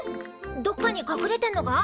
どっかにかくれてんのか？